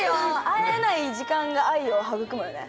会えない時間が愛を育むよね。